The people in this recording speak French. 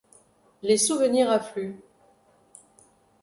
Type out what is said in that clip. Les souvenirs affluent.